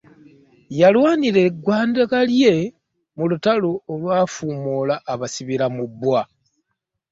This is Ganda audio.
Yalwanirira eggwanga lye mu lutalo olwafuumuula abasibiramubbwa.